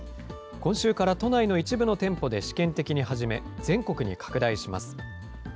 今週から都内の一部の店舗で試験的に始め、全国に拡大します。